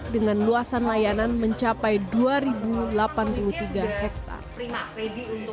dengan luasan layanan mencapai dua delapan puluh tiga hektare